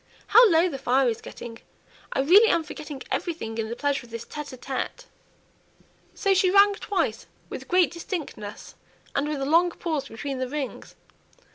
How low the fire is getting; I really am forgetting everything in the pleasure of this tÉte ł tÉte!" So she rang twice; with great distinctness, and with a long pause between the rings.